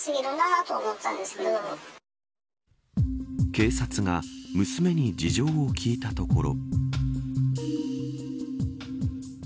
警察が娘に事情を聞いたところ。